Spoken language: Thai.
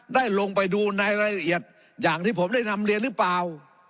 ลงไปดูในรายละเอียดอย่างที่ผมได้นำเรียนหรือเปล่า